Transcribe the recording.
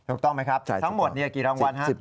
ถูกต้องไหมครับทั้งหมดกี่รางวัล